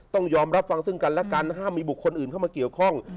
ต้องยอมรับฟังซึ่งกันและกันห้ามมีบุคคลอื่นเข้ามาเกี่ยวข้อง